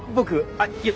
あっいや俺？